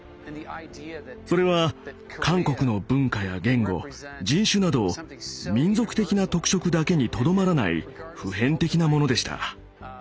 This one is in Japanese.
それは韓国の文化や言語人種など民族的な特色だけにとどまらない普遍的なものでした。